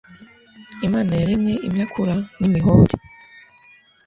Imana yaremye imyakura nimihore